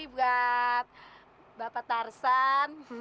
buat bapak tarzan